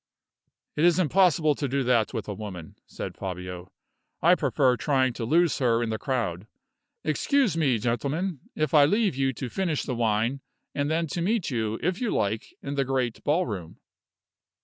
"It is impossible to do that with a woman," said Fabio. "I prefer trying to lose her in the crowd. Excuse me, gentlemen, if I leave you to finish the wine, and then to meet me, if you like, in the great ballroom."